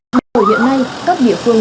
nhưng từ hiện nay các địa phương